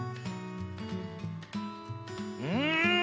うん！